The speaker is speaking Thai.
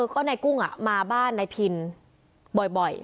ก็นายกุ้งมาบ้านนายพินบ่อย